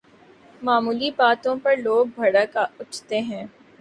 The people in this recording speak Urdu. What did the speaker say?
معمولی باتوں پر لوگ بھڑک اٹھتے ہیں۔